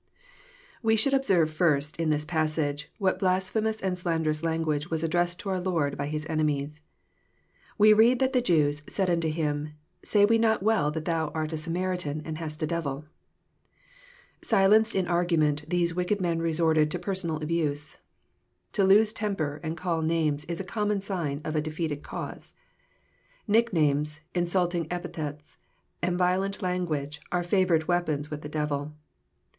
We should observe, first, in this passage, wTiat blasphemous and slanderotLS language was addressed to our Lord by His enemies. We read that the Jews " said unto Him, Say we not well that thou art a Samaritan, and hast a devil ?" Silenced in argument, these wicked men resorted to per sonal abuse. To lose temper, and call names, is a common sign of a defeated cause. Nicknames, insulting epithets, and violent language, are favourite weapons with the devil.